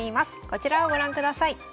こちらをご覧ください。